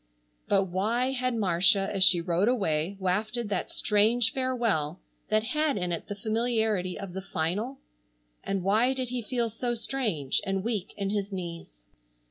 But why had Marcia as she rode away wafted that strange farewell that had in it the familiarity of the final? And why did he feel so strange and weak in his knees?